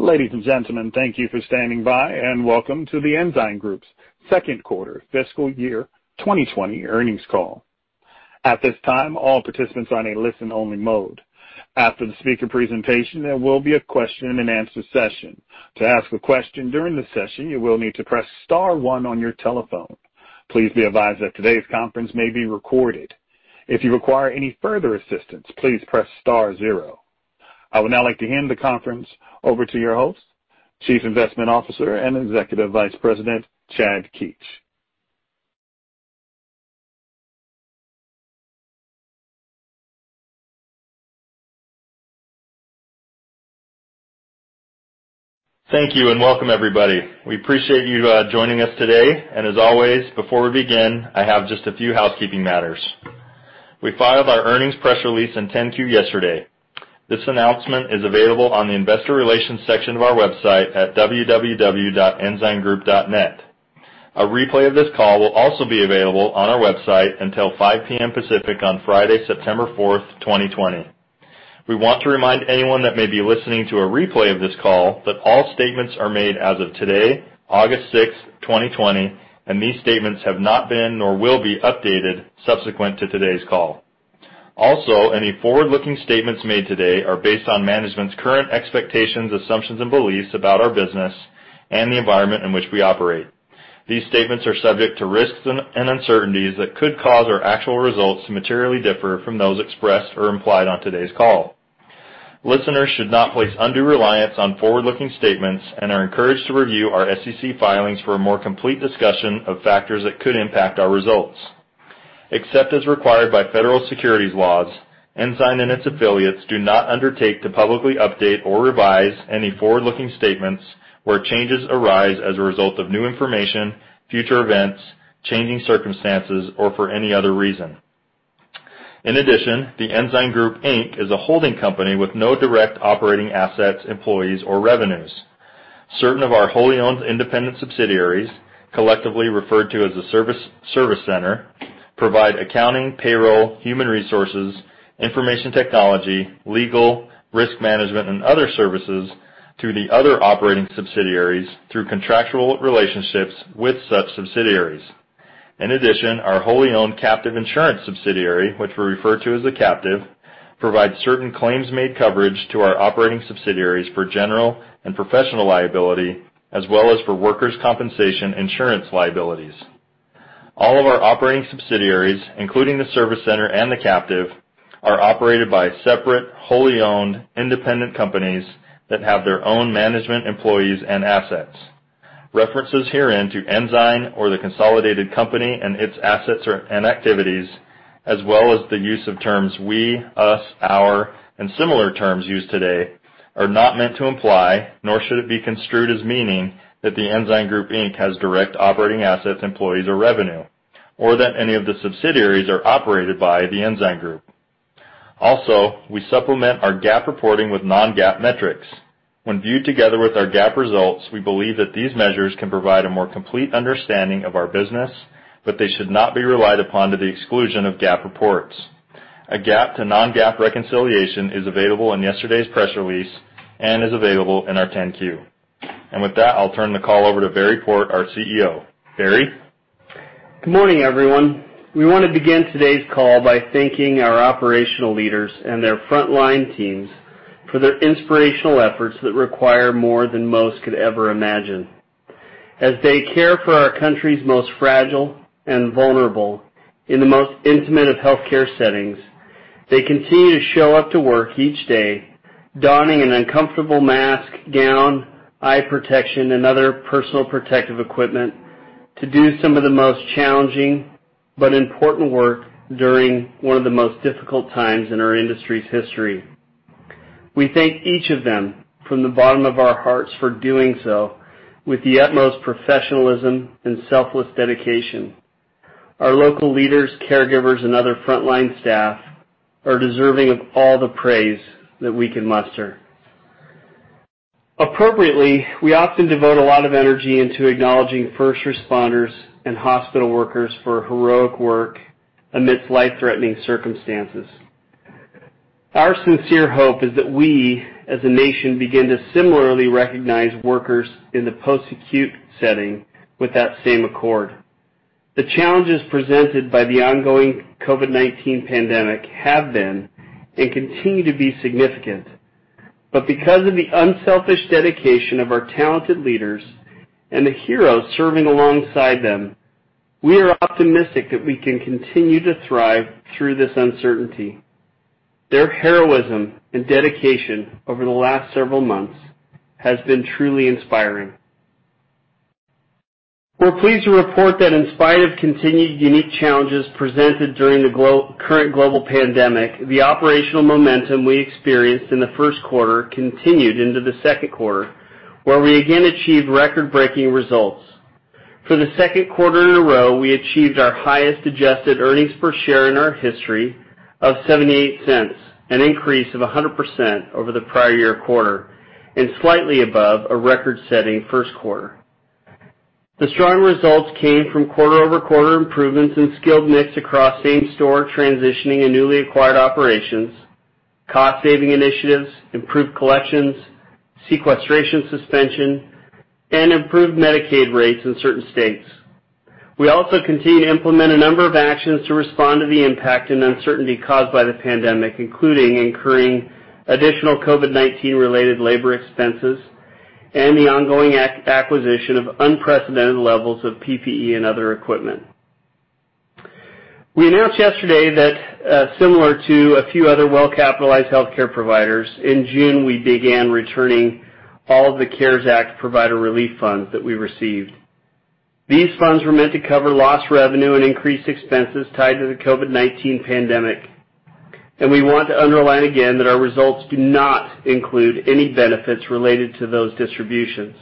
Ladies and gentlemen, thank you for standing by, and welcome to The Ensign Group's second quarter fiscal year 2020 earnings call. At this time, all participants are in a listen-only mode. After the speaker presentation, there will be a question and answer session. To ask a question during the session, you will need to press star one on your telephone. Please be advised that today's conference may be recorded. If you require any further assistance, please press star zero. I would now like to hand the conference over to your host, Chief Investment Officer and Executive Vice President, Chad Keetch. Thank you, and welcome everybody. We appreciate you joining us today. As always, before we begin, I have just a few housekeeping matters. We filed our earnings press release in 10-Q yesterday. This announcement is available on the Investor Relations section of our website at www.ensigngroup.net. A replay of this call will also be available on our website until 5:00 P.M. Pacific on Friday, September 4, 2020. We want to remind anyone that may be listening to a replay of this call that all statements are made as of today, August 6, 2020, and these statements have not been nor will be updated subsequent to today's call. Also, any forward-looking statements made today are based on management's current expectations, assumptions, and beliefs about our business and the environment in which we operate. These statements are subject to risks and uncertainties that could cause our actual results to materially differ from those expressed or implied on today's call. Listeners should not place undue reliance on forward-looking statements and are encouraged to review our SEC filings for a more complete discussion of factors that could impact our results. Except as required by federal securities laws, Ensign and its affiliates do not undertake to publicly update or revise any forward-looking statements where changes arise as a result of new information, future events, changing circumstances, or for any other reason. The Ensign Group Inc. is a holding company with no direct operating assets, employees, or revenues. Certain of our wholly owned independent subsidiaries, collectively referred to as a Service Center, provide accounting, payroll, human resources, information technology, legal, risk management, and other services to the other operating subsidiaries through contractual relationships with such subsidiaries. In addition, our wholly-owned captive insurance subsidiary, which we refer to as the captive, provides certain claims-made coverage to our operating subsidiaries for general and professional liability, as well as for workers' compensation insurance liabilities. All of our operating subsidiaries, including the Service Center and the captive, are operated by separate, wholly-owned, independent companies that have their own management, employees, and assets. References herein to Ensign or the consolidated company and its assets and activities, as well as the use of terms we, us, our, and similar terms used today are not meant to imply, nor should it be construed as meaning, that The Ensign Group Inc. has direct operating assets, employees, or revenue, or that any of the subsidiaries are operated by The Ensign Group. Also, we supplement our GAAP reporting with non-GAAP metrics. When viewed together with our GAAP results, we believe that these measures can provide a more complete understanding of our business, but they should not be relied upon to the exclusion of GAAP reports. A GAAP to non-GAAP reconciliation is available in yesterday's press release and is available in our 10-Q. With that, I'll turn the call over to Barry Port, our CEO. Barry? Good morning, everyone. We want to begin today's call by thanking our operational leaders and their frontline teams for their inspirational efforts that require more than most could ever imagine. As they care for our country's most fragile and vulnerable in the most intimate of healthcare settings, they continue to show up to work each day, donning an uncomfortable mask, gown, eye protection, and other Personal Protective Equipment to do some of the most challenging but important work during one of the most difficult times in our industry's history. We thank each of them from the bottom of our hearts for doing so with the utmost professionalism and selfless dedication. Our local leaders, caregivers, and other frontline staff are deserving of all the praise that we can muster. Appropriately, we often devote a lot of energy into acknowledging first responders and hospital workers for heroic work amidst life-threatening circumstances. Our sincere hope is that we, as a nation, begin to similarly recognize workers in the post-acute setting with that same accord. The challenges presented by the ongoing COVID-19 pandemic have been and continue to be significant. Because of the unselfish dedication of our talented leaders and the heroes serving alongside them, we are optimistic that we can continue to thrive through this uncertainty. Their heroism and dedication over the last several months has been truly inspiring. We're pleased to report that in spite of continued unique challenges presented during the current global pandemic, the operational momentum we experienced in the first quarter continued into the second quarter, where we again achieved record-breaking results. For the second quarter in a row, we achieved our highest adjusted earnings per share in our history of $0.78, an increase of 100% over the prior year quarter, and slightly above a record-setting first quarter. The strong results came from quarter-over-quarter improvements in Skilled Mix across same-store transitioning and newly acquired operations, cost-saving initiatives, improved collections, sequestration suspension, and improved Medicaid rates in certain states. We also continue to implement a number of actions to respond to the impact and uncertainty caused by the pandemic, including incurring additional COVID-19 related labor expenses and the ongoing acquisition of unprecedented levels of PPE and other equipment. We announced yesterday that similar to a few other well-capitalized healthcare providers, in June, we began returning of the CARES Act Provider Relief Funds that we received. These funds were meant to cover lost revenue and increased expenses tied to the COVID-19 pandemic. We want to underline again that our results do not include any benefits related to those distributions.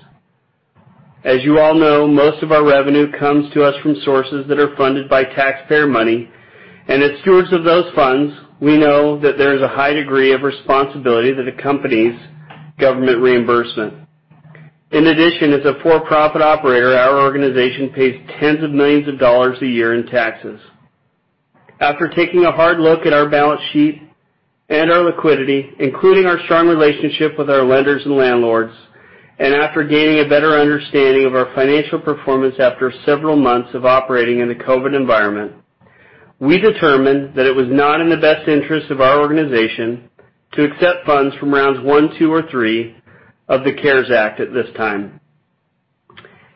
As you all know, most of our revenue comes to us from sources that are funded by taxpayer money. As stewards of those funds, we know that there is a high degree of responsibility that accompanies government reimbursement. In addition, as a for-profit operator, our organization pays tens of millions of dollars a year in taxes. After taking a hard look at our balance sheet and our liquidity, including our strong relationship with our lenders and landlords, and after gaining a better understanding of our financial performance after several months of operating in the COVID-19 environment, we determined that it was not in the best interest of our organization to accept funds from rounds one, two, or three of the CARES Act at this time.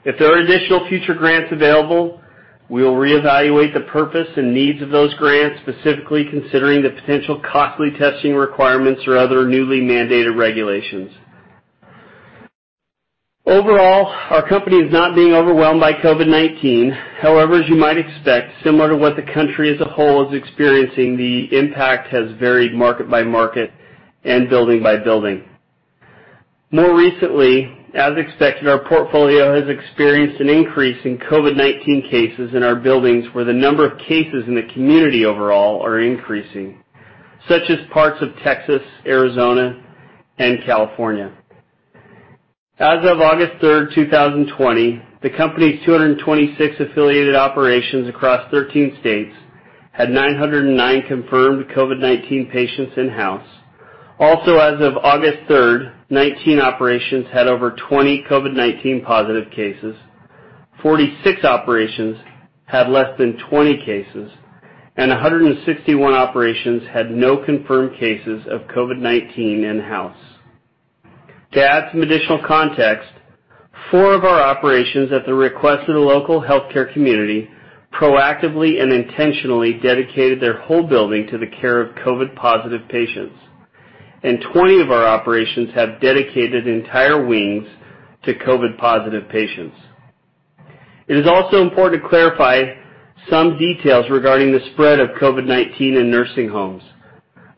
If there are additional future grants available, we will reevaluate the purpose and needs of those grants, specifically considering the potential costly testing requirements or other newly mandated regulations. Overall, our company is not being overwhelmed by COVID-19. However, as you might expect, similar to what the country as a whole is experiencing, the impact has varied market by market and building by building. More recently, as expected, our portfolio has experienced an increase in COVID-19 cases in our buildings where the number of cases in the community overall are increasing, such as parts of Texas, Arizona, and California. As of August 3rd, 2020, the company's 226 affiliated operations across 13 states had 909 confirmed COVID-19 patients in-house. Also, as of August 3rd, 19 operations had over 20 COVID-19 positive cases, 46 operations had less than 20 cases, and 161 operations had no confirmed cases of COVID-19 in-house. To add some additional context, four of our operations, at the request of the local healthcare community, proactively and intentionally dedicated their whole building to the care of COVID positive patients, and 20 of our operations have dedicated entire wings to COVID positive patients. It is also important to clarify some details regarding the spread of COVID-19 in nursing homes.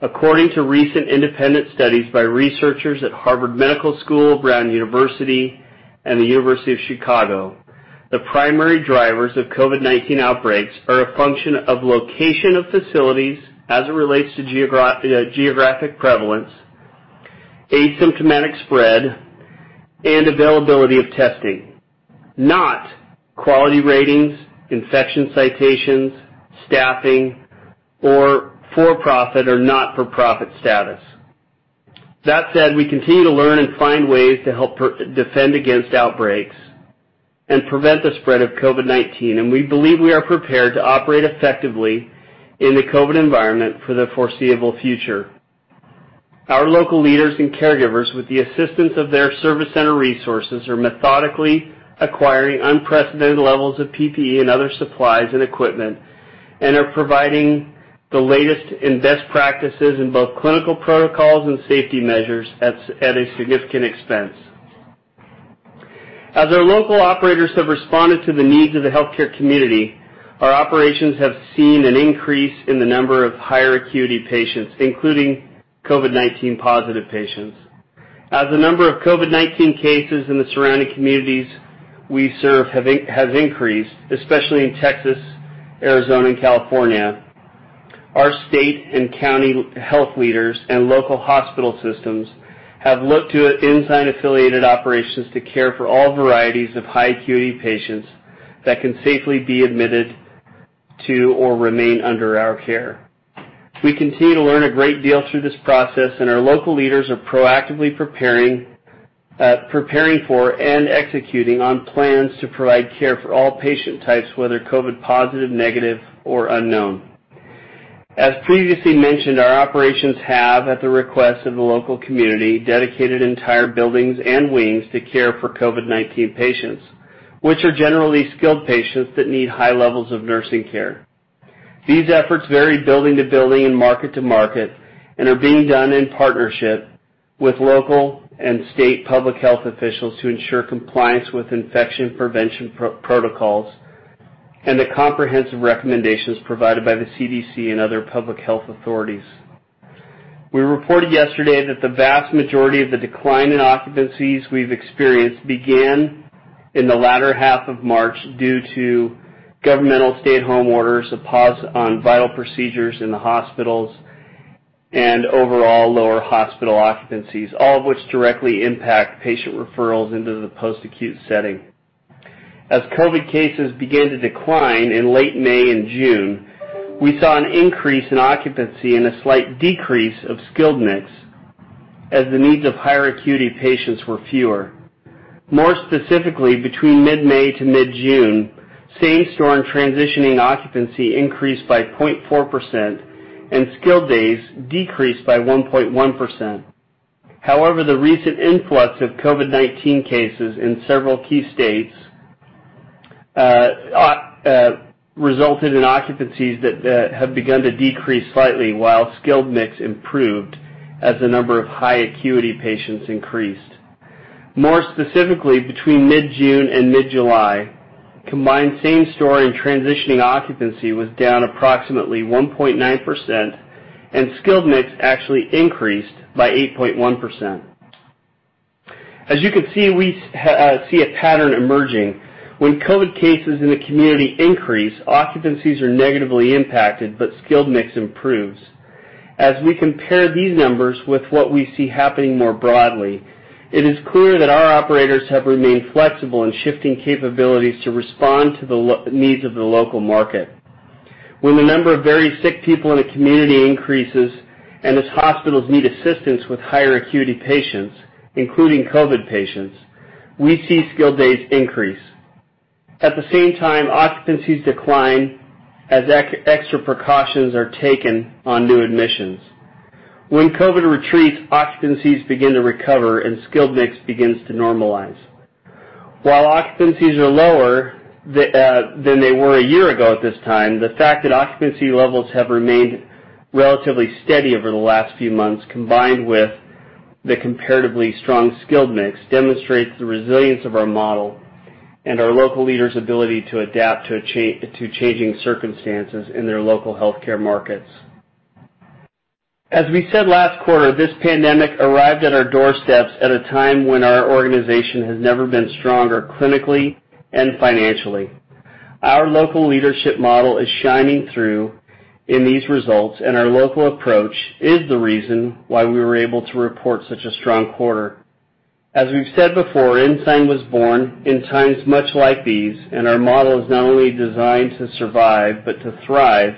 According to recent independent studies by researchers at Harvard Medical School, Brown University, and the University of Chicago, the primary drivers of COVID-19 outbreaks are a function of location of facilities as it relates to geographic prevalence, asymptomatic spread, and availability of testing, not quality ratings, infection citations, staffing, or for-profit or not-for-profit status. That said, we continue to learn and find ways to help defend against outbreaks and prevent the spread of COVID-19, and we believe we are prepared to operate effectively in the COVID environment for the foreseeable future. Our local leaders and caregivers with the assistance of their Service Center resources, are methodically acquiring unprecedented levels of PPE and other supplies and equipment, and are providing the latest in best practices in both clinical protocols and safety measures at a significant expense. As our local operators have responded to the needs of the healthcare community, our operations have seen an increase in the number of higher acuity patients, including COVID-19 positive patients. As the number of COVID-19 cases in the surrounding communities we serve has increased, especially in Texas, Arizona, and California, our state and county health leaders and local hospital systems have looked to Ensign affiliated operations to care for all varieties of high acuity patients that can safely be admitted to or remain under our care. We continue to learn a great deal through this process, and our local leaders are proactively preparing for and executing on plans to provide care for all patient types, whether COVID positive, negative, or unknown. As previously mentioned, our operations have, at the request of the local community, dedicated entire buildings and wings to care for COVID-19 patients, which are generally skilled patients that need high levels of nursing care. These efforts vary building to building and market to market and are being done in partnership with local and state public health officials to ensure compliance with infection prevention protocols and the comprehensive recommendations provided by the CDC and other public health authorities. We reported yesterday that the vast majority of the decline in occupancies we've experienced began in the latter half of March due to governmental stay-at-home orders, a pause on vital procedures in the hospitals and overall lower hospital occupancies, all of which directly impact patient referrals into the post-acute setting. As COVID cases began to decline in late May and June, we saw an increase in Occupancy and a slight decrease of Skilled Mix as the needs of higher acuity patients were fewer. More specifically, between mid-May to mid-June, Same-Store and Transitioning Occupancy increased by 0.4%, and skilled days decreased by 1.1%. However, the recent influx of COVID-19 cases in several key states resulted in occupancies that have begun to decrease slightly, while Skilled Mix improved as the number of high acuity patients increased. More specifically, between mid-June and mid-July, combined same-store and Transitioning Occupancy was down approximately 1.9%, and Skilled Mix actually increased by 8.1%. As you can see, we see a pattern emerging. When COVID cases in the community increase, occupancies are negatively impacted, but Skilled Mix improves. As we compare these numbers with what we see happening more broadly, it is clear that our operators have remained flexible in shifting capabilities to respond to the needs of the local market. When the number of very sick people in a community increases, and as hospitals need assistance with higher acuity patients, including COVID patients, we see skilled days increase. At the same time, occupancies decline as extra precautions are taken on new admissions. When COVID retreats, occupancies begin to recover, and Skilled Mix begins to normalize. While occupancies are lower than they were a year ago at this time, the fact that Occupancy levels have remained relatively steady over the last few months, combined with the comparatively strong Skilled Mix, demonstrates the resilience of our model and our local leaders' ability to adapt to changing circumstances in their local Healthcare Markets. As we said last quarter, this pandemic arrived at our doorsteps at a time when our organization has never been stronger, clinically and financially. Our local leadership model is shining through in these results, and our local approach is the reason why we were able to report such a strong quarter. As we've said before, Ensign was born in times much like these, and our model is not only designed to survive, but to thrive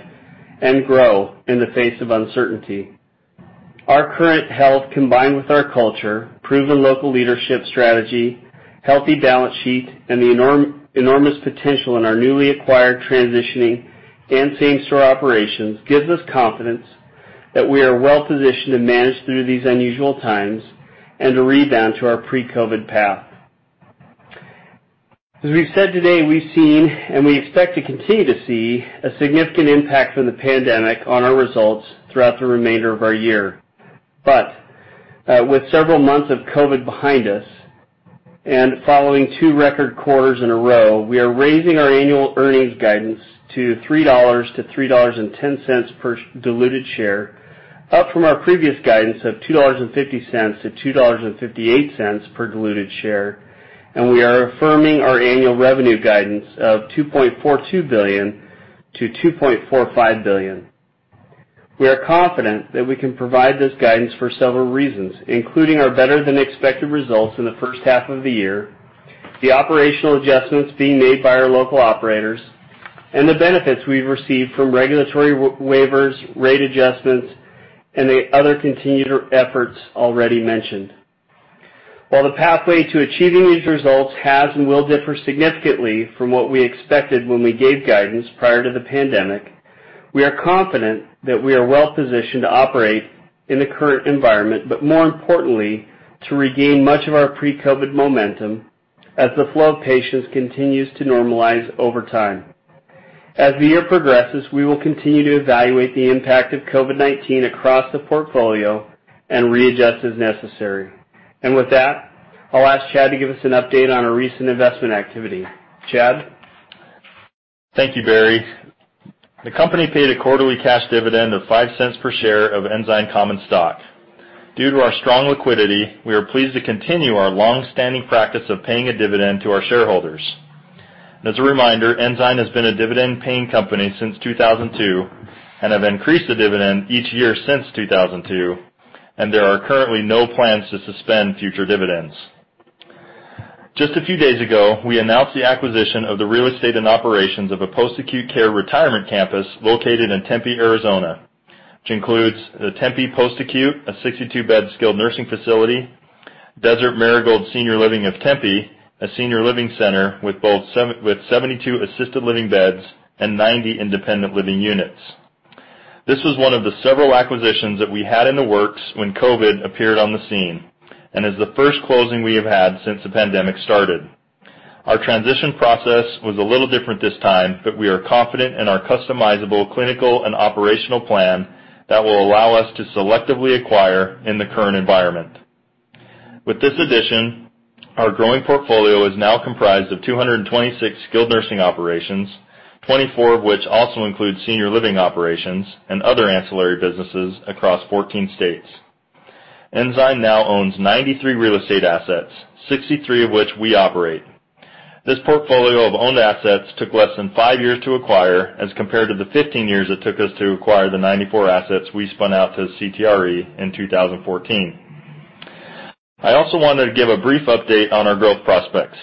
and grow in the face of uncertainty. Our current health, combined with our culture, proven local leadership strategy, healthy balance sheet, and the enormous potential in our newly acquired transitioning and same-store operations gives us confidence that we are well-positioned to manage through these unusual times and to rebound to our pre-COVID path. As we've said today, we've seen, and we expect to continue to see, a significant impact from the pandemic on our results throughout the remainder of our year. With several months of COVID behind us, and following two record quarters in a row, we are raising our annual earnings guidance to $3-$3.10 per diluted share, up from our previous guidance of $2.50-$2.58 per diluted share. We are affirming our annual revenue guidance of $2.42 billion-$2.45 billion. We are confident that we can provide this guidance for several reasons, including our better-than-expected results in the first half of the year, the operational adjustments being made by our local operators, and the benefits we've received from regulatory waivers, rate adjustments, and the other continued efforts already mentioned. While the pathway to achieving these results has and will differ significantly from what we expected when we gave guidance prior to the pandemic, we are confident that we are well-positioned to operate in the current environment, but more importantly, to regain much of our pre-COVID momentum as the flow of patients continues to normalize over time. As the year progresses, we will continue to evaluate the impact of COVID-19 across the portfolio and readjust as necessary. With that, I'll ask Chad to give us an update on our recent investment activity. Chad? Thank you, Barry. The company paid a quarterly cash dividend of $0.05 per share of Ensign common stock. Due to our strong liquidity, we are pleased to continue our long-standing practice of paying a dividend to our shareholders. as a reminder, Ensign has been a dividend-paying company since 2002 and have increased the dividend each year since 2002, and there are currently no plans to suspend future dividends. Just a few days ago, we announced the acquisition of the real estate and operations of a Post-Acute Care retirement campus located in Tempe, Arizona, which includes the Tempe Post Acute, a 62-bed skilled nursing facility, Desert Marigold Senior Living of Tempe, a Senior Living center with 72 Assisted Living beds and 90 Independent Living units. This was one of the several acquisitions that we had in the works when COVID appeared on the scene, and is the first closing we have had since the pandemic started. Our transition process was a little different this time, but we are confident in our customizable clinical and operational plan that will allow us to selectively acquire in the current environment. With this addition, our growing portfolio is now comprised of 226 Skilled Nursing operations, 24 of which also include Senior Living operations and other ancillary businesses across 14 states. Ensign now owns 93 real estate assets, 63 of which we operate. This portfolio of owned assets took less than five years to acquire as compared to the 15 years it took us to acquire the 94 assets we spun out to CTRE in 2014. I also wanted to give a brief update on our growth prospects.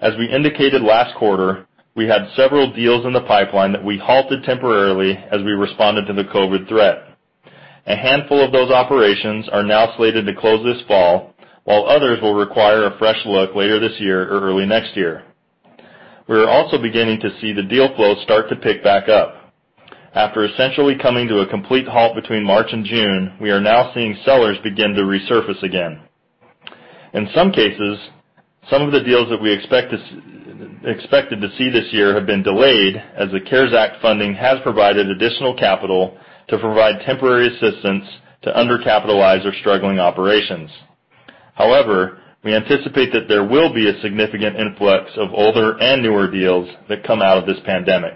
As we indicated last quarter, we had several deals in the pipeline that we halted temporarily as we responded to the COVID threat. A handful of those operations are now slated to close this fall, while others will require a fresh look later this year or early next year. We are also beginning to see the deal flow start to pick back up. After essentially coming to a complete halt between March and June, we are now seeing sellers begin to resurface again. In some cases, some of the deals that we expected to see this year have been delayed as the CARES Act funding has provided additional capital to provide temporary assistance to under-capitalized or struggling operations. However, we anticipate that there will be a significant influx of older and newer deals that come out of this pandemic.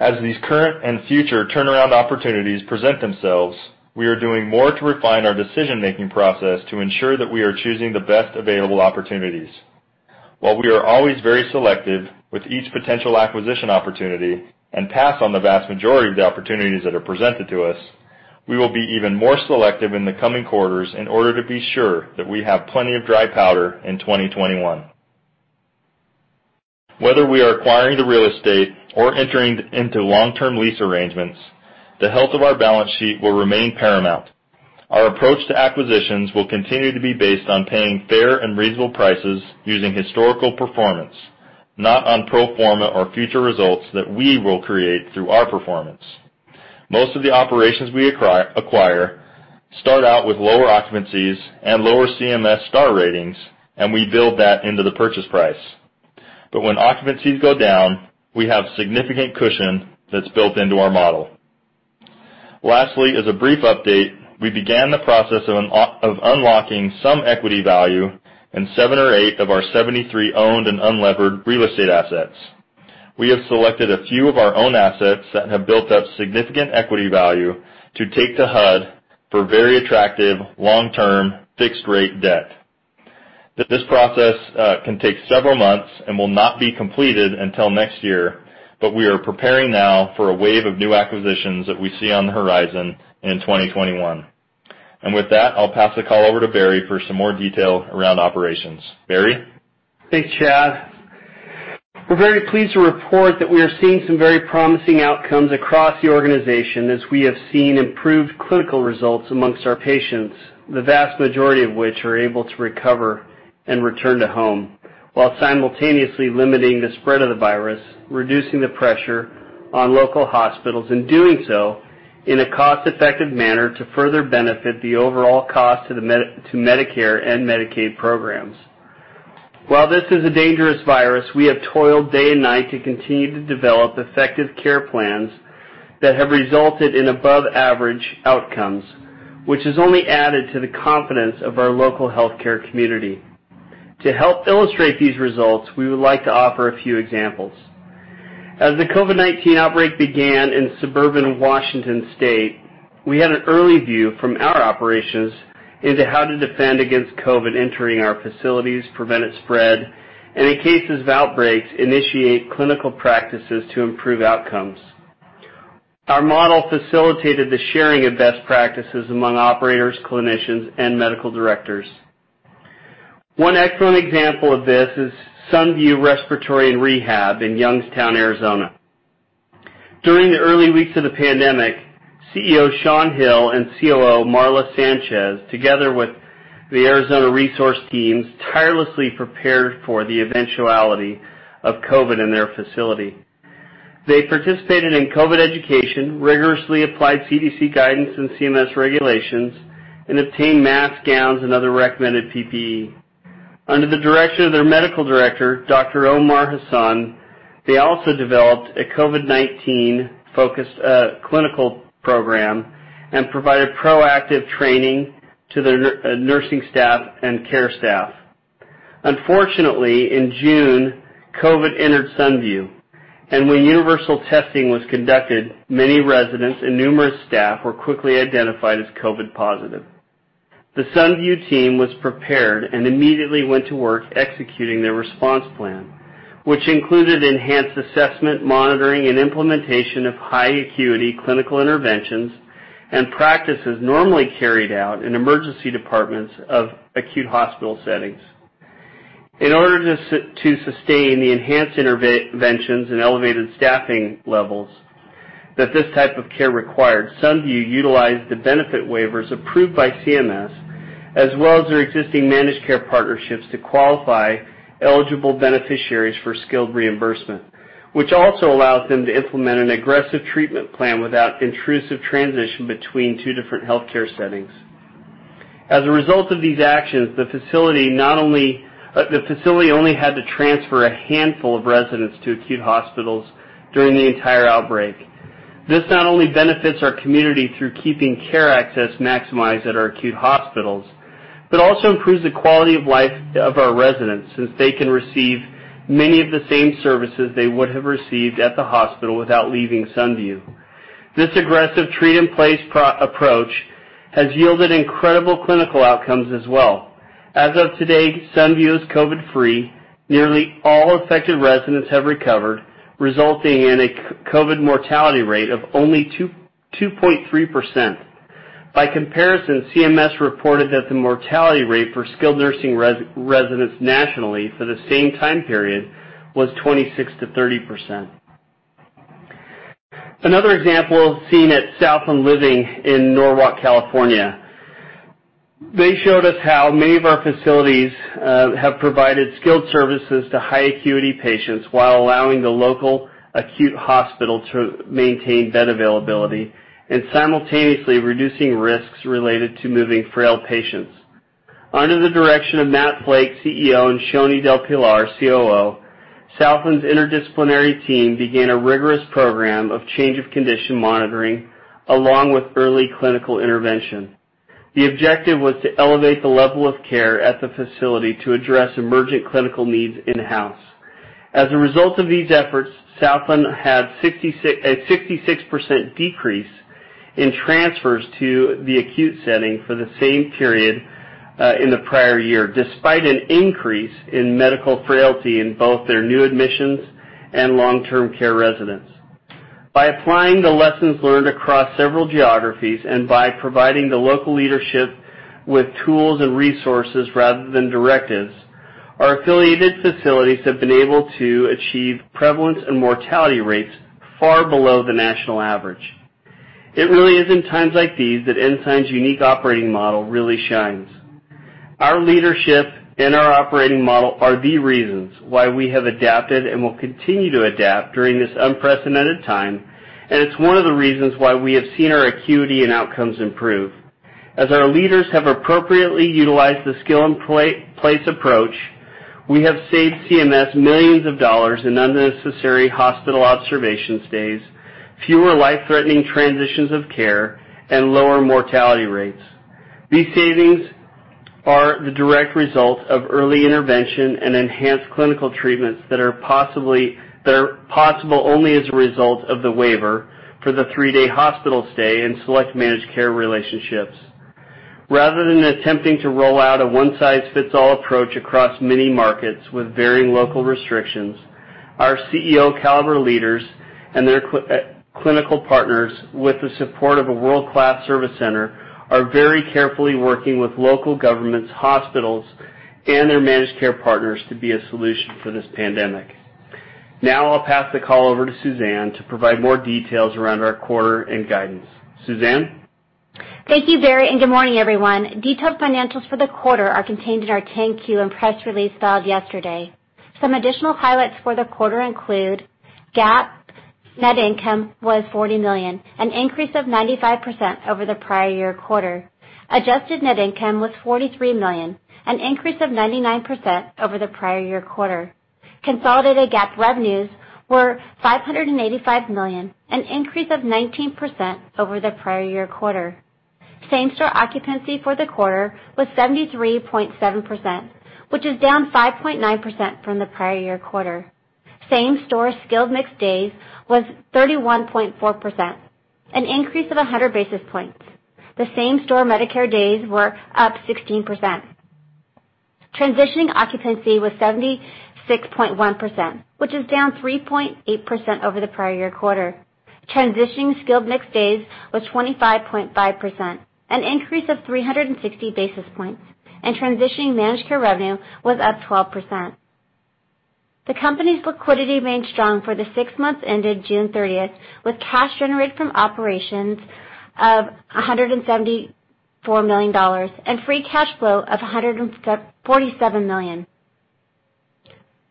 As these current and future turnaround opportunities present themselves, we are doing more to refine our decision-making process to ensure that we are choosing the best available opportunities. While we are always very selective with each potential acquisition opportunity and pass on the vast majority of the opportunities that are presented to us, we will be even more selective in the coming quarters in order to be sure that we have plenty of dry powder in 2021. Whether we are acquiring the real estate or entering into long-term lease arrangements, the health of our balance sheet will remain paramount. Our approach to acquisitions will continue to be based on paying fair and reasonable prices using historical performance, not on pro forma or future results that we will create through our performance. Most of the operations we acquire start out with lower occupancies and lower CMS star ratings, and we build that into the purchase price. When occupancies go down, we have significant cushion that's built into our model. Lastly, as a brief update, we began the process of unlocking some equity value in seven or eight of our 73 owned and unlevered real estate assets. We have selected a few of our own assets that have built up significant equity value to take to HUD for very attractive long-term fixed rate debt. This process can take several months and will not be completed until next year, but we are preparing now for a wave of new acquisitions that we see on the horizon in 2021. With that, I'll pass the call over to Barry for some more detail around operations. Barry? Thanks, Chad. We're very pleased to report that we are seeing some very promising outcomes across the organization as we have seen improved clinical results amongst our patients, the vast majority of which are able to recover and return to home while simultaneously limiting the spread of the virus, reducing the pressure on local hospitals, and doing so in a cost-effective manner to further benefit the overall cost to Medicare and Medicaid programs. While this is a dangerous virus, we have toiled day and night to continue to develop effective care plans that have resulted in above average outcomes, which has only added to the confidence of our local healthcare community. To help illustrate these results, we would like to offer a few examples. As the COVID-19 outbreak began in suburban Washington State, we had an early view from our operations into how to defend against COVID entering our facilities, prevent its spread, and in cases of outbreaks, initiate clinical practices to improve outcomes. Our model facilitated the sharing of best practices among operators, clinicians, and medical directors. One excellent example of this is Sunview Respiratory and Rehab in Youngtown, Arizona. During the early weeks of the pandemic, CEO Sean Hill and COO Marla Sanchez, together with the Arizona resource teams, tirelessly prepared for the eventuality of COVID in their facility. They participated in COVID education, rigorously applied CDC guidance and CMS regulations, and obtained masks, gowns, and other recommended PPE. Under the direction of their Medical Director, Dr. Omair Hasan, they also developed a COVID-19-focused clinical program and provided proactive training to their nursing staff and care staff. Unfortunately, in June, COVID entered Sunview, and when universal testing was conducted, many residents and numerous staff were quickly identified as COVID positive. The Sunview team was prepared and immediately went to work executing their response plan, which included enhanced assessment, monitoring, and implementation of high acuity clinical interventions and practices normally carried out in emergency departments of acute hospital settings. In order to sustain the enhanced interventions and elevated staffing levels that this type of care required, Sunview utilized the benefit waivers approved by CMS, as well as their existing Managed Care partnerships to qualify eligible beneficiaries for skilled reimbursement, which also allows them to implement an aggressive treatment plan without intrusive transition between two different healthcare settings. As a result of these actions, the facility only had to transfer a handful of residents to acute hospitals during the entire outbreak. This not only benefits our community through keeping care access maximized at our acute hospitals also improves the quality of life of our residents, since they can receive many of the same services they would have received at the hospital without leaving Sunview. This aggressive treat-in-place approach has yielded incredible clinical outcomes as well. As of today, Sunview is COVID-free. Nearly all affected residents have recovered, resulting in a COVID mortality rate of only 2.3%. By comparison, CMS reported that the mortality rate for Skilled Nursing residents nationally for the same time period was 26%-30%. Another example seen at Southland Living in Norwalk, California. They showed us how many of our facilities have provided skilled services to high acuity patients while allowing the local acute hospital to maintain bed availability, and simultaneously reducing risks related to moving frail patients. Under the direction of [Matt Flake], CEO, and Shony del Pilar, COO, Southland's interdisciplinary team began a rigorous program of change-of-condition monitoring along with early clinical intervention. The objective was to elevate the level of care at the facility to address emergent clinical needs in-house. As a result of these efforts, Southland had a 66% decrease in transfers to the acute setting for the same period in the prior year, despite an increase in medical frailty in both their new admissions and long-term care residents. By applying the lessons learned across several geographies and by providing the local leadership with tools and resources rather than directives, our affiliated facilities have been able to achieve prevalence and mortality rates far below the national average. It really is in times like these that Ensign's unique operating model really shines. Our leadership and our operating model are the reasons why we have adapted and will continue to adapt during this unprecedented time. It's one of the reasons why we have seen our acuity and outcomes improve. As our leaders have appropriately utilized the skill-in-place approach, we have saved CMS millions of dollars in unnecessary hospital observation stays, fewer life-threatening transitions of care, and lower mortality rates. These savings are the direct result of early intervention and enhanced clinical treatments that are possible only as a result of the waiver for the three-day hospital stay and select Managed Care relationships. Rather than attempting to roll out a one-size-fits-all approach across many markets with varying local restrictions, our CEO caliber leaders and their clinical partners, with the support of a world-class Service Center, are very carefully working with local governments, hospitals, and their Managed Care partners to be a solution for this pandemic. Now I'll pass the call over to Suzanne to provide more details around our quarter and guidance. Suzanne? Thank you, Barry, and good morning, everyone. Detailed financials for the quarter are contained in our 10-Q and press release filed yesterday. Some additional highlights for the quarter include: GAAP net income was $40 million, an increase of 95% over the prior year quarter. Adjusted net income was $43 million, an increase of 99% over the prior year quarter. Consolidated GAAP revenues were $585 million, an increase of 19% over the prior year quarter. Same-Store Occupancy for the quarter was 73.7%, which is down 5.9% from the prior year quarter. Same-Store Skilled Mix Days was 31.4%, an increase of 100 basis points. The Same-Store Medicare Days were up 16%. Transitioning Occupancy was 76.1%, which is down 3.8% over the prior year quarter. Transitioning Occupancy days was 25.5%, an increase of 360 basis points. Transitioning Managed Care revenue was up 12%. The company's liquidity remained strong for the six months ended June 30th, with cash generated from operations of $174 million and free cash flow of $147 million.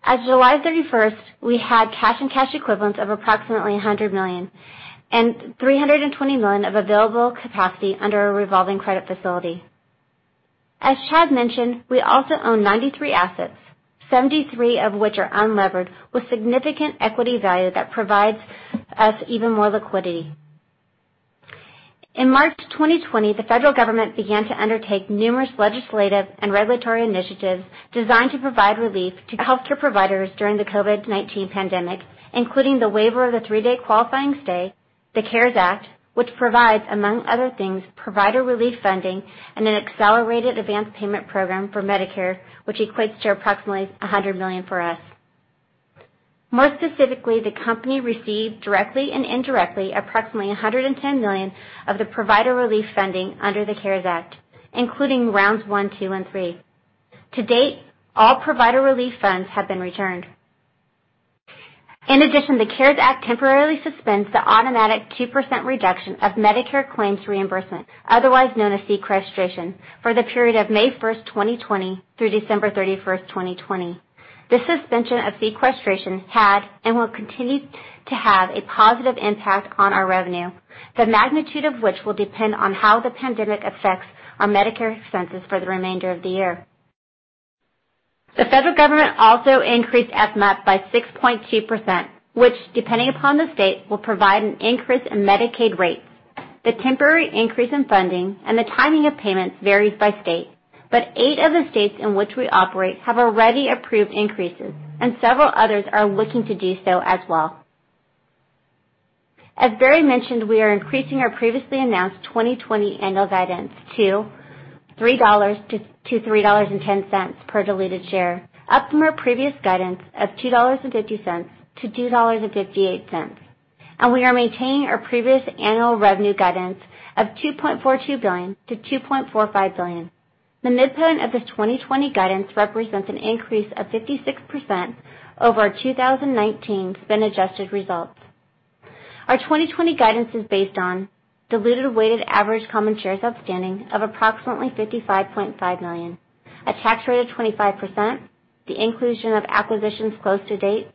As of July 31st, we had cash and cash equivalents of approximately $100 million and $320 million of available capacity under our revolving credit facility. As Chad mentioned, we also own 93 assets, 73 of which are unlevered, with significant equity value that provides us even more liquidity. In March 2020, the federal government began to undertake numerous legislative and regulatory initiatives designed to provide relief to healthcare providers during the COVID-19 pandemic, including the waiver of the three-day qualifying stay, the CARES Act, which provides, among other things, provider relief funding, and an accelerated advance payment program for Medicare, which equates to approximately $100 million for us. More specifically, the company received, directly and indirectly, approximately $110 million of the provider relief funding under the CARES Act, including rounds one, two, and three. To date, all provider relief funds have been returned. In addition, the CARES Act temporarily suspends the automatic 2% reduction of Medicare claims reimbursement, otherwise known as sequestration, for the period of May 1st, 2020 through December 31st, 2020. The suspension of sequestration had and will continue to have a positive impact on our revenue, the magnitude of which will depend on how the pandemic affects our Medicare expenses for the remainder of the year. The federal government also increased FMAP by 6.2%, which, depending upon the state, will provide an increase in Medicaid rates. The temporary increase in funding and the timing of payments varies by state, but eight of the states in which we operate have already approved increases, and several others are looking to do so as well. As Barry mentioned, we are increasing our previously announced 2020 annual guidance to $3-$3.10 per diluted share, up from our previous guidance of $2.50-$2.58. We are maintaining our previous annual revenue guidance of $2.42 billion-$2.45 billion. The midpoint of this 2020 guidance represents an increase of 56% over our 2019 spend-adjusted results. Our 2020 guidance is based on diluted weighted average common shares outstanding of approximately 55.5 million, a tax rate of 25%, the inclusion of acquisitions close to date,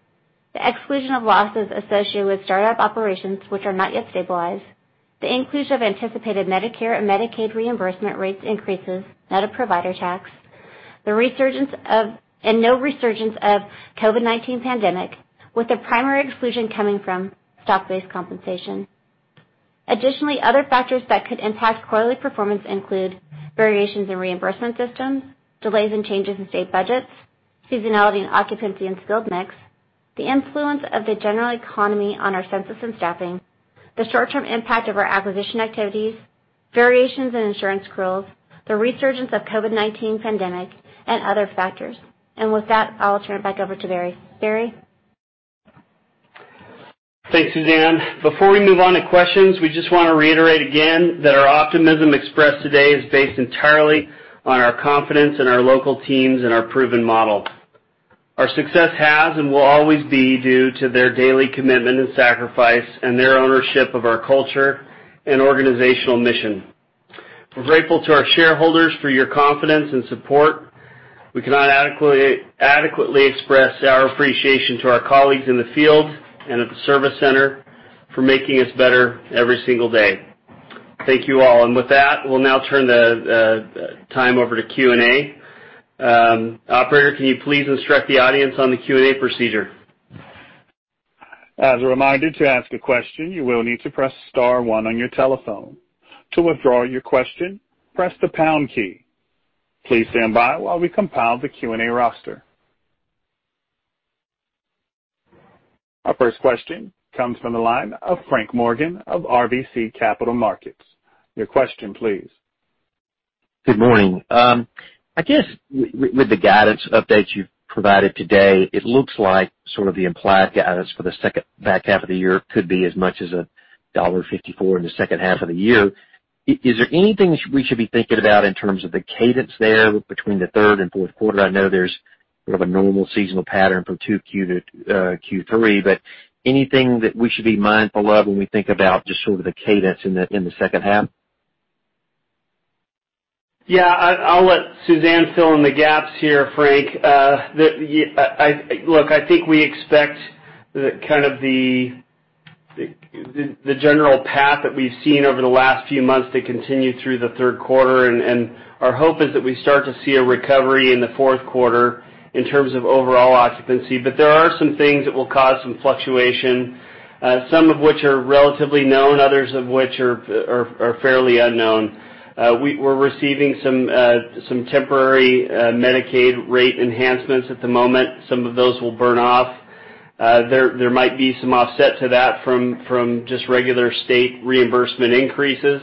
the exclusion of losses associated with startup operations which are not yet stabilized, the inclusion of anticipated Medicare and Medicaid reimbursement rates increases, net of provider tax, and no resurgence of COVID-19 pandemic, with the primary exclusion coming from stock-based compensation. Additionally, other factors that could impact quarterly performance include variations in reimbursement systems, delays and changes in state budgets, seasonality and Occupancy in Skilled Mix, the influence of the general economy on our census and staffing, the short-term impact of our acquisition activities, variations in insurance growth, the resurgence of COVID-19 pandemic, and other factors. With that, I'll turn it back over to Barry. Barry? Thanks, Suzanne. Before we move on to questions, we just want to reiterate again that our optimism expressed today is based entirely on our confidence in our local teams and our proven model. Our success has and will always be due to their daily commitment and sacrifice and their ownership of our culture and organizational mission. We're grateful to our shareholders for your confidence and support. We cannot adequately express our appreciation to our colleagues in the field and at the Service Center for making us better every single day. Thank you all. With that, we'll now turn the time over to Q&A. Operator, can you please instruct the audience on the Q&A procedure? As a reminder, to ask a question, you will need to press star one on your telephone. To withdraw your question, press the pound key. Please stand by while we compile the Q&A roster. Our first question comes from the line of Frank Morgan of RBC Capital Markets. Your question please. Good morning. I guess with the guidance updates you've provided today, it looks like sort of the implied guidance for the back half of the year could be as much as $1.54 in the second half of the year. Is there anything we should be thinking about in terms of the cadence there between the third and fourth quarter? I know there's sort of a normal seasonal pattern from Q2 to Q3, but anything that we should be mindful of when we think about just sort of the cadence in the second half? Yeah, I'll let Suzanne fill in the gaps here, Frank. Look, I think we expect the general path that we've seen over the last few months to continue through the third quarter, and our hope is that we start to see a recovery in the fourth quarter in terms of overall Skilled Mix. There are some things that will cause some fluctuation, some of which are relatively known, others of which are fairly unknown. We're receiving some temporary Medicaid rate enhancements at the moment. Some of those will burn off. There might be some offset to that from just regular state reimbursement increases.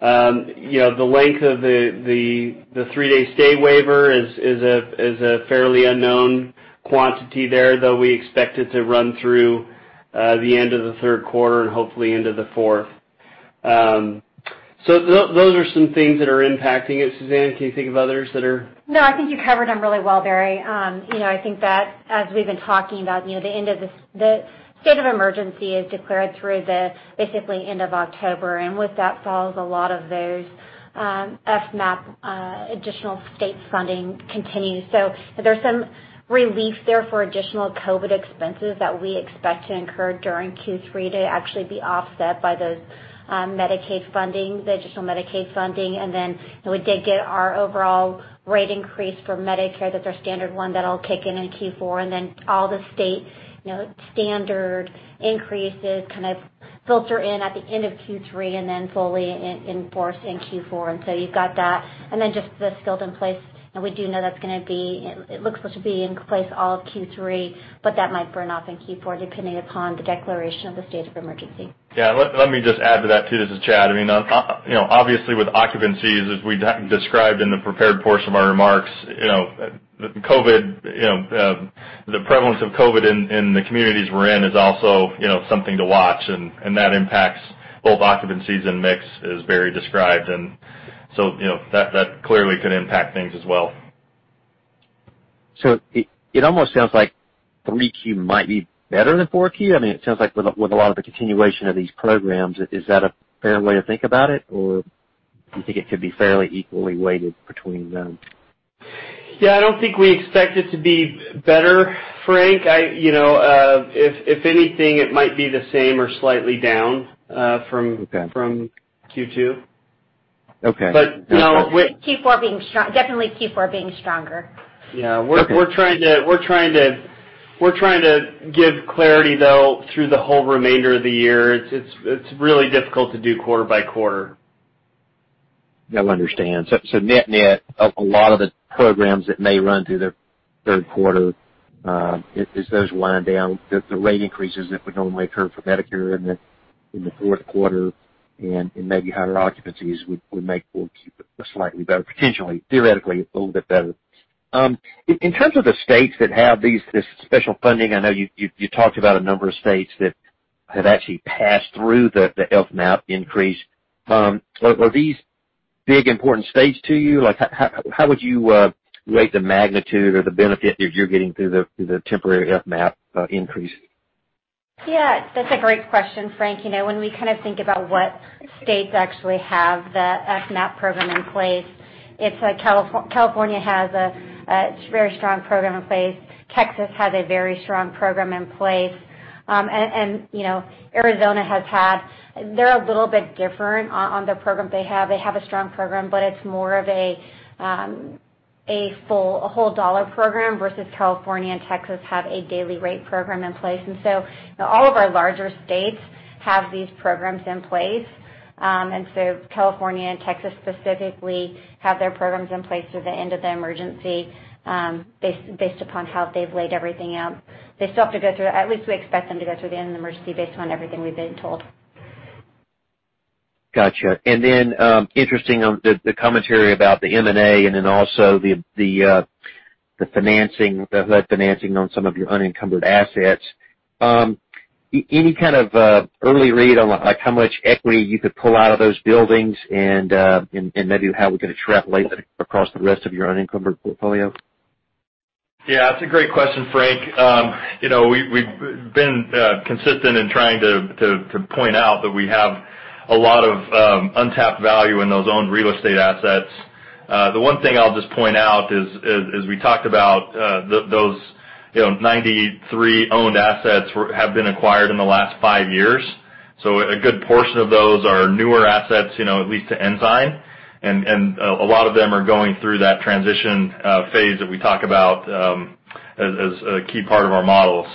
The length of the three-day stay waiver is a fairly unknown quantity there, though we expect it to run through the end of the third quarter and hopefully into the fourth. Those are some things that are impacting it. Suzanne, can you think of others that are- No, I think you covered them really well, Barry. I think that as we've been talking about, the state of emergency is declared through the, basically, end of October, and with that follows a lot of those FMAP additional state funding continues. there's some relief there for additional COVID expenses that we expect to incur during Q3 to actually be offset by those additional Medicaid funding. we did get our overall rate increase for Medicare. That's our standard one that'll kick in in Q4, and then all the state standard increases kind of filter in at the end of Q3 and then fully enforce in Q4. you've got that. just the skilled in place. We do know that's going to be, it looks to be in place all of Q3, but that might burn off in Q4, depending upon the declaration of the state of emergency. Yeah. Let me just add to that, too. This is Chad. Obviously, with occupancies, as we described in the prepared portion of our remarks, the prevalence of COVID in the communities we're in is also something to watch, and that impacts both occupancies and mix as Barry described, and so that clearly could impact things as well. it almost sounds like 3Q might be better than 4Q. It sounds like with a lot of the continuation of these programs. Is that a fair way to think about it, or do you think it could be fairly equally weighted between them? Yeah, I don't think we expect it to be better, Frank. If anything, it might be the same or slightly down from Q2. Okay. But no- Q4 being strong. Definitely Q4 being stronger. Okay. We're trying to give clarity, though, through the whole remainder of the year. It's really difficult to do quarter by quarter. No, I understand. net net, a lot of the programs that may run through the third quarter, as those wind down, the rate increases that would normally occur for Medicare in the fourth quarter and maybe higher occupancies would make Q4 slightly better, potentially, theoretically, a little bit better. In terms of the states that have this special funding, I know you talked about a number of states that have actually passed through the FMAP increase. Were these big important states to you? How would you weigh the magnitude or the benefit that you're getting through the temporary FMAP increase? Yeah. That's a great question, Frank. When we think about what states actually have the FMAP program in place, California has a very strong program in place. Texas has a very strong program in place. Arizona. They're a little bit different on the program they have. They have a strong program, but it's more of a whole dollar program, versus California and Texas have a daily rate program in place. All of our larger states have these programs in place. California and Texas specifically have their programs in place through the end of the emergency, based upon how they've laid everything out. They still have to go through, at least we expect them to go through the end of the emergency based on everything we've been told. Got you. Interesting, the commentary about the M&A, and then also the HUD financing on some of your unencumbered assets. Any kind of early read on how much equity you could pull out of those buildings, and maybe how we're going to extrapolate that across the rest of your unencumbered portfolio? Yeah. It's a great question, Frank. We've been consistent in trying to point out that we have a lot of untapped value in those owned real estate assets. The one thing I'll just point out is, as we talked about, those 93 owned assets have been acquired in the last five years. A good portion of those are newer assets, at least to Ensign, and a lot of them are going through that transition phase that we talk about as a key part of our model.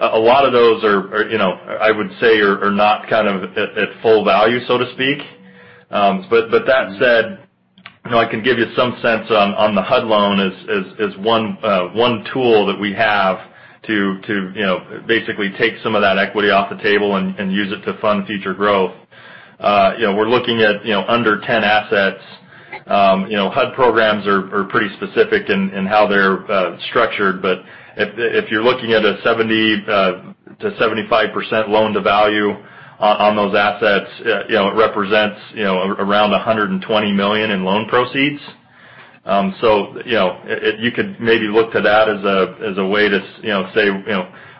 A lot of those, I would say, are not at full value, so to speak. That said, I can give you some sense on the HUD loan as one tool that we have to basically take some of that equity off the table and use it to fund future growth. We're looking at under 10 assets. HUD programs are pretty specific in how they're structured. If you're looking at a 70%-75% loan-to-value on those assets, it represents around $120 million in loan proceeds. You could maybe look to that as a way to say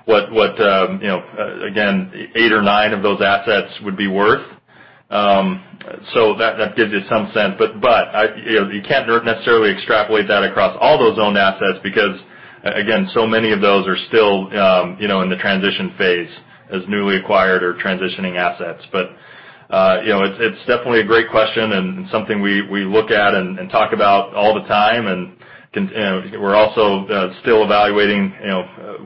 what, again, eight or nine of those assets would be worth. That gives you some sense. You can't necessarily extrapolate that across all those owned assets because, again, so many of those are still in the transition phase as newly acquired or transitioning assets. It's definitely a great question and something we look at and talk about all the time. We're also still evaluating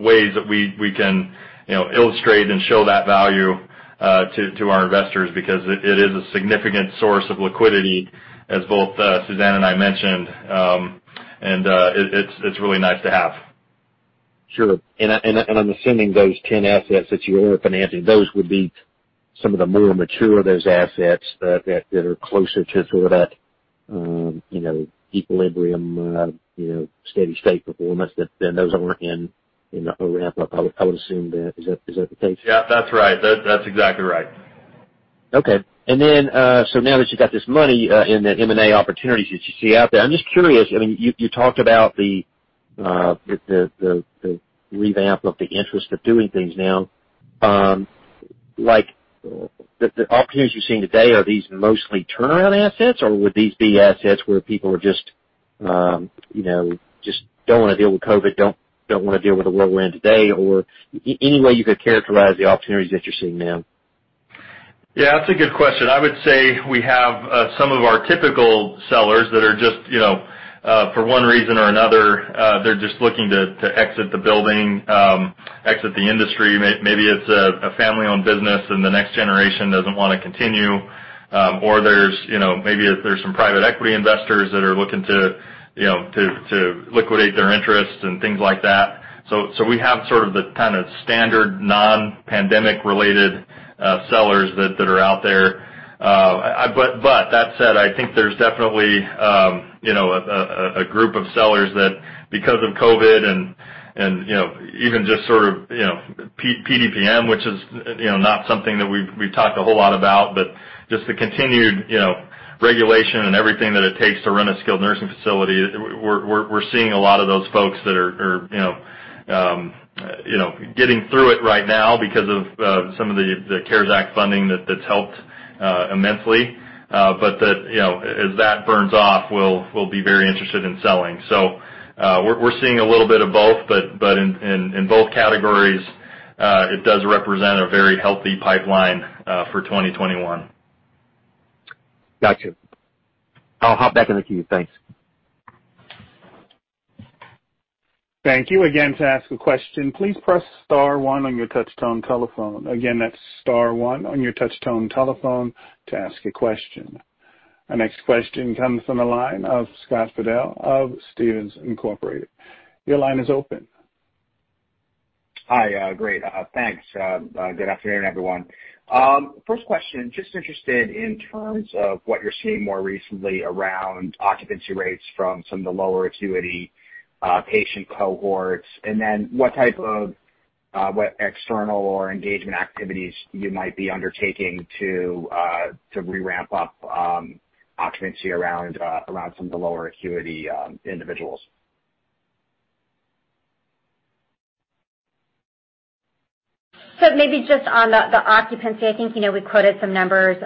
ways that we can illustrate and show that value to our investors, because it is a significant source of liquidity, as both Suzanne and I mentioned, and it's really nice to have. Sure. I'm assuming those 10 assets that you were financing, those would be some of the more mature of those assets that are closer to sort of that equilibrium, steady state performance than those that weren't in the ramp up. I would assume that. Is that the case? Yeah, that's right. That's exactly right. Okay. now that you got this money and the M&A opportunities that you see out there, I'm just curious, you talked about the revamp of the interest of doing things now. The opportunities you're seeing today, are these mostly turnaround assets, or would these be assets where people just don't want to deal with COVID, don't want to deal with the world we're in today? any way you could characterize the opportunities that you're seeing now? Yeah, that's a good question. I would say we have some of our typical sellers that are just, for one reason or another, they're just looking to exit the building, exit the industry. Maybe it's a family-owned business and the next generation doesn't want to continue. Maybe there's some private equity investors that are looking to liquidate their interests and things like that. We have sort of the standard non-pandemic related sellers that are out there. that said, I think there's definitely a group of sellers that because of COVID and even just sort of PDPM, which is not something that we've talked a whole lot about, but just the continued regulation and everything that it takes to run Skilled Nursing Facility, we're seeing a lot of those folks that are getting through it right now because of some of the CARES Act funding that's helped immensely. as that burns off, will be very interested in selling. we're seeing a little bit of both, but in both categories. It does represent a very healthy pipeline for 2021. Got you. I'll hop back in the queue. Thanks. Thank you. Again, to ask a question, please press star one on your touch-tone telephone. Again, that's *1 on your touch-tone telephone to ask a question. Our next question comes from the line of Scott Fidel of Stephens Incorporated. Your line is open. Hi. Great. Thanks. Good afternoon, everyone. First question, just interested in terms of what you're seeing more recently around Occupancy rates from some of the lower acuity patient cohorts, and then what type of external or engagement activities you might be undertaking to re-ramp up Occupancy around some of the lower acuity individuals. Maybe just on the Occupancy, I think we quoted some numbers,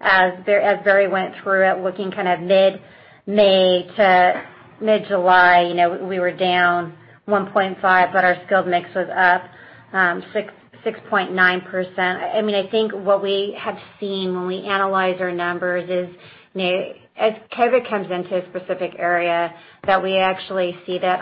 as Barry went through it, looking mid-May to mid-July, we were down 1.5, but our Skilled Mix was up 6.9%. I think what we have seen when we analyze our numbers is, as COVID comes into a specific area, that we actually see the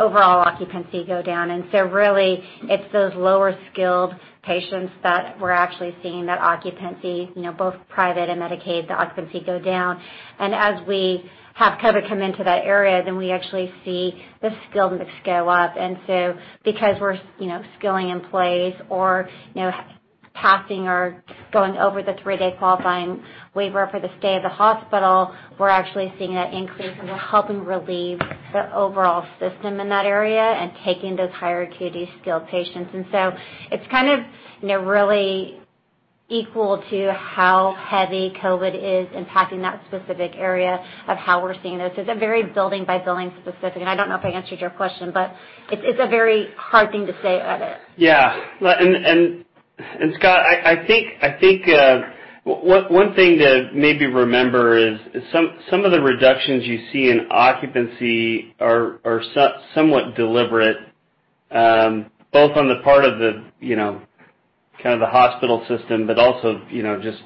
overall Occupancy go down. Really, it's those lower skilled patients that we're actually seeing that Occupancy, both private and Medicaid, the Occupancy go down. As we have COVID come into that area, then we actually see the Skilled Mix go up. Because we're scaling in place or passing or going over the three-day qualifying waiver for the stay of the hospital, we're actually seeing that increase. We're helping relieve the overall system in that area and taking those higher acuity skilled patients. It's kind of really equal to how heavy COVID is impacting that specific area of how we're seeing this. It's very building-by-building specific, and I don't know if I answered your question, but it's a very hard thing to say other. Yeah. Scott, I think one thing to maybe remember is some of the reductions you see in Occupancy are somewhat deliberate, both on the part of the kind of the hospital system, but also just,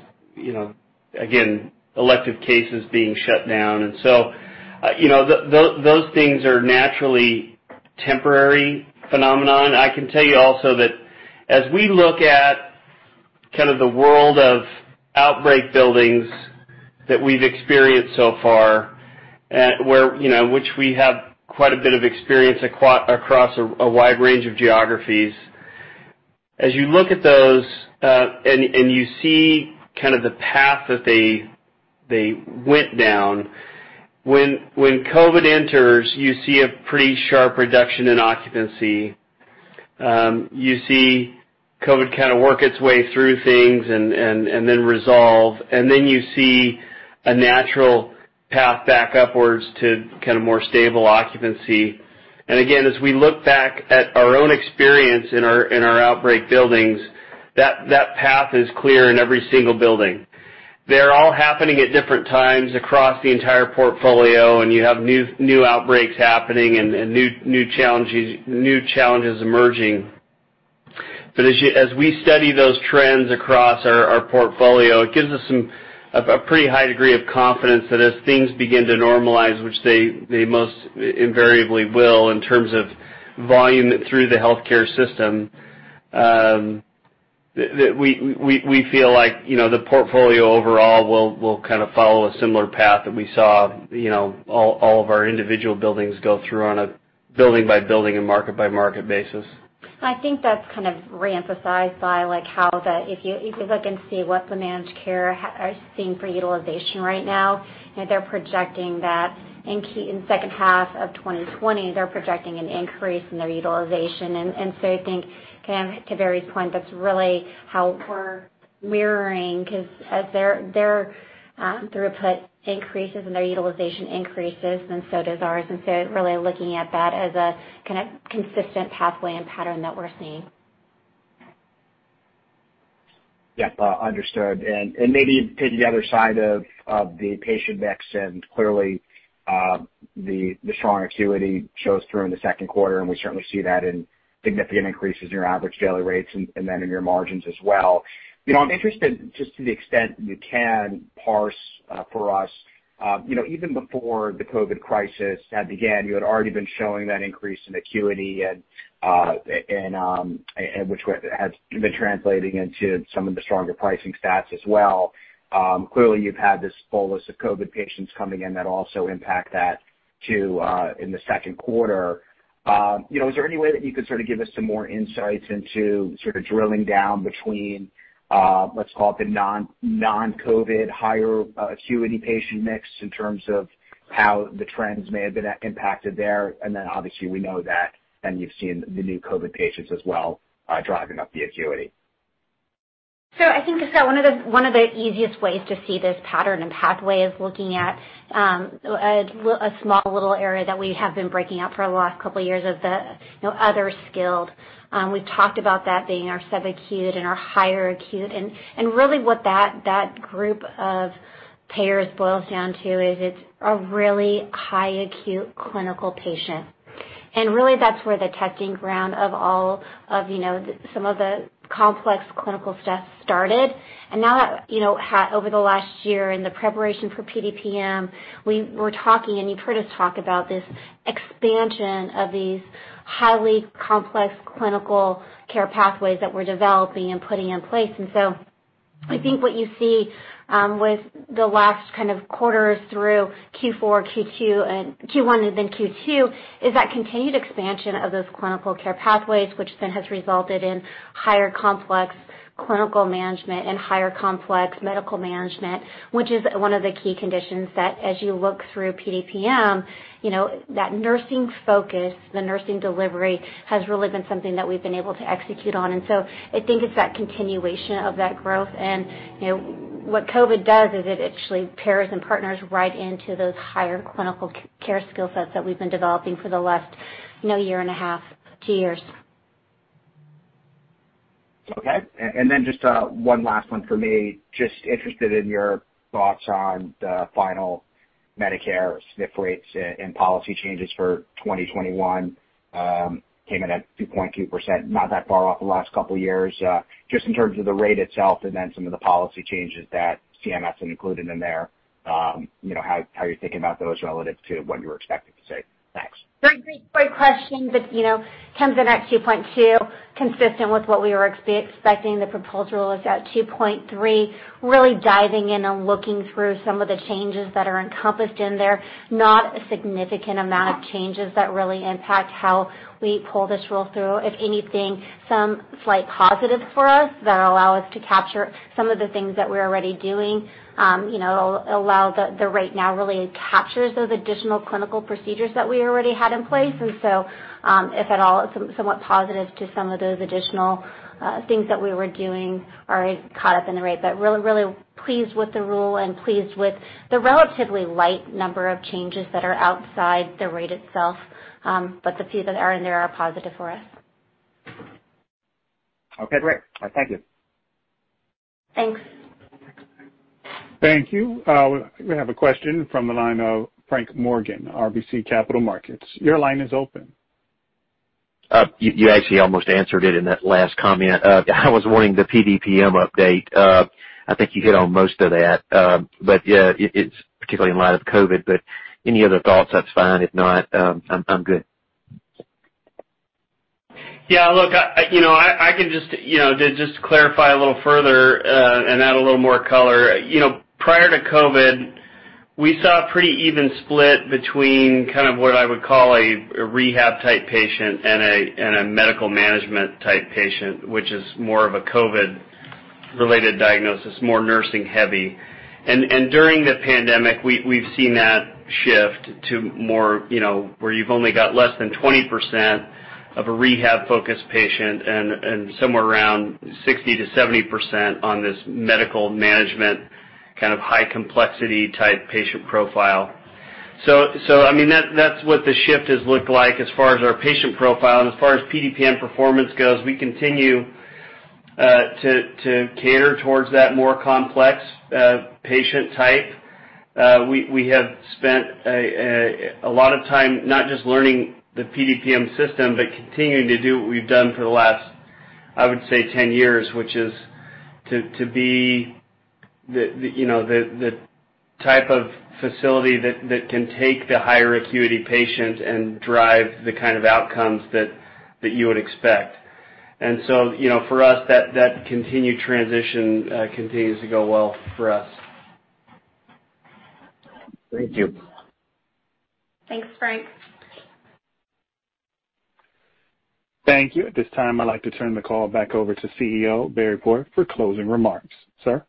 again, elective cases being shut down. Those things are naturally temporary phenomenon. I can tell you also that as we look at kind of the world of outbreak buildings that we've experienced so far, which we have quite a bit of experience across a wide range of geographies. As you look at those, and you see kind of the path that they went down, when COVID enters, you see a pretty sharp reduction in Occupancy. You see COVID kind of work its way through things and then resolve, and then you see a natural path back upwards to more stable Occupancy. again, as we look back at our own experience in our outbreak buildings, that path is clear in every single building. They're all happening at different times across the entire portfolio, and you have new outbreaks happening and new challenges emerging. as we study those trends across our portfolio, it gives us a pretty high degree of confidence that as things begin to normalize, which they most invariably will, in terms of volume through the healthcare system, that we feel like the portfolio overall will kind of follow a similar path that we saw all of our individual buildings go through on a building-by-building and market-by-market basis. I think that's kind of reemphasized by how if you look and see what the Managed Care are seeing for utilization right now, they're projecting that in second half of 2020, they're projecting an increase in their utilization. I think, to Barry's point, that's really how we're mirroring, because as their throughput increases and their utilization increases, then so does ours. really looking at that as a kind of consistent pathway and pattern that we're seeing. Yep. Understood. Maybe taking the other side of the patient mix, and clearly, the strong acuity shows through in the second quarter, and we certainly see that in significant increases in your average daily rates and then in your margins as well. I'm interested just to the extent you can parse for us, even before the COVID crisis had began, you had already been showing that increase in acuity, and which has been translating into some of the stronger pricing stats as well. Clearly, you've had this bolus of COVID patients coming in that also impact that, too, in the second quarter. Is there any way that you could sort of give us some more insights into sort of drilling down between, let's call it the non-COVID, higher acuity patient mix in terms of how the trends may have been impacted there? Obviously, we know that, and you've seen the new COVID patients as well, driving up the acuity. I think, Scott, one of the easiest ways to see this pattern and pathway is looking at a small little area that we have been breaking out for the last couple of years of the other skilled. We've talked about that being our sub-acute and our higher acute. Really what that group of payers boils down to is it's a really high acute clinical patient. Really that's where the testing ground of some of the complex clinical stuff started. Now, over the last year in the preparation for PDPM, we were talking, and you've heard us talk about this expansion of these highly complex clinical care pathways that we're developing and putting in place. I think what you see with the last kind of quarters through Q4, Q1, and then Q2, is that continued expansion of those clinical care pathways, which then has resulted in higher complex clinical management and higher complex medical management. Which is one of the key conditions that as you look through PDPM, that nursing focus, the nursing delivery, has really been something that we've been able to execute on. I think it's that continuation of that growth. What COVID does is it actually pairs and partners right into those higher clinical care skill sets that we've been developing for the last year and a half, two years. Okay. just one last one for me. Just interested in your thoughts on the final Medicare SNF rates and policy changes for 2021. Came in at 2.2%, not that far off the last couple of years. Just in terms of the rate itself and then some of the policy changes that CMS included in there, how are you thinking about those relative to what you were expecting to see? Thanks. Great question. It comes in at 2.2%, consistent with what we were expecting. The proposal was at 2.3%. Really diving in and looking through some of the changes that are encompassed in there, not a significant amount of changes that really impact how we pull this rule through. If anything, some slight positives for us that allow us to capture some of the things that we're already doing. It'll allow the rate now really captures those additional clinical procedures that we already had in place. If at all, somewhat positive to some of those additional things that we were doing already caught up in the rate. Really pleased with the rule and pleased with the relatively light number of changes that are outside the rate itself. The few that are in there are positive for us. Okay, great. Thank you. Thanks. Thank you. We have a question from the line of Frank Morgan, RBC Capital Markets. Your line is open. You actually almost answered it in that last comment. I was wanting the PDPM update. I think you hit on most of that. yeah, particularly in light of COVID, but any other thoughts, that's fine. If not, I'm good. Yeah, look, just to clarify a little further and add a little more color. Prior to COVID-19, we saw a pretty even split between kind of what I would call a rehab type patient and a medical management type patient, which is more of a COVID-19 related diagnosis, more nursing heavy. During the pandemic, we've seen that shift to more where you've only got less than 20% of a rehab focused patient and somewhere around 60%-70% on this medical management, kind of high complexity type patient profile. That's what the shift has looked like as far as our patient profile. As far as PDPM performance goes, we continue to cater towards that more complex patient type. We have spent a lot of time not just learning the PDPM system, but continuing to do what we've done for the last, I would say, 10 years, which is to be the type of facility that can take the higher acuity patient and drive the kind of outcomes that you would expect. For us, that continued transition continues to go well for us. Thank you. Thanks, Frank. Thank you. At this time, I'd like to turn the call back over to CEO, Barry Port, for closing remarks. Sir?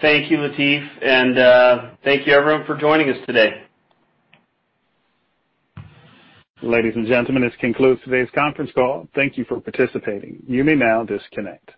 Thank you, Latif, and thank you everyone for joining us today. Ladies and gentlemen, this concludes today's conference call. Thank you for participating. You may now disconnect.